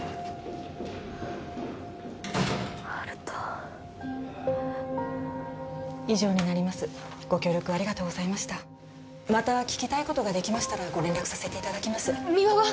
温人以上になりますご協力ありがとうございましたまた聞きたいことができましたらご連絡させていただきます三輪は？